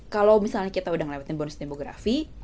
kalau misalnya kita udah ngelewatin bonus demografi